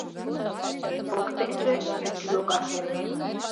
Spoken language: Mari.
Воктенже вӱд йога.